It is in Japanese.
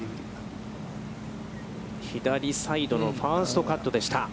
左サイドのファーストカットでした。